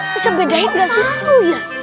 bisa bedain gak sih